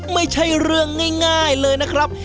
ไม่ใช่เรื่องง่ายเลยนะครับ